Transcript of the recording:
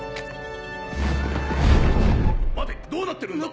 待てどうなってるんだ？